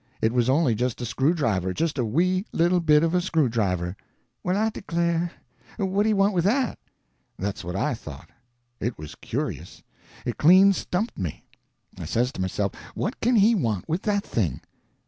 It was only just a screwdriver—just a wee little bit of a screwdriver." "Well, I declare! What did he want with that?" "That's what I thought. It was curious. It clean stumped me. I says to myself, what can he want with that thing?